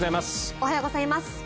おはようございます。